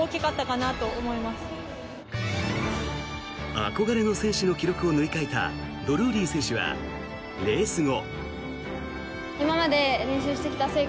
憧れの選手の記録を塗り替えたドルーリー選手はレース後。